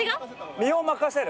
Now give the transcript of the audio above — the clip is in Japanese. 身を任せる？